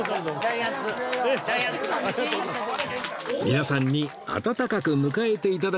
皆さんに温かく迎えて頂けました